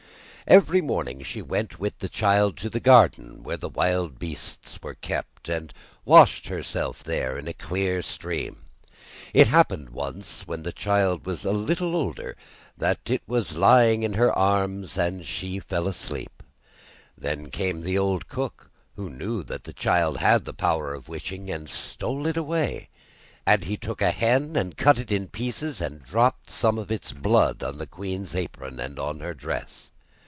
Every morning she went with the child to the garden where the wild beasts were kept, and washed herself there in a clear stream. It happened once when the child was a little older, that it was lying in her arms and she fell asleep. Then came the old cook, who knew that the child had the power of wishing, and stole it away, and he took a hen, and cut it in pieces, and dropped some of its blood on the queen's apron and on her dress.